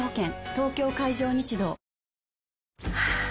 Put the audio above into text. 東京海上日動ハァ。